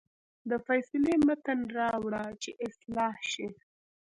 د فیصلې متن راوړه چې اصلاح شي.